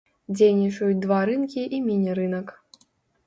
Дзейнічаюць два рынкі і міні-рынак.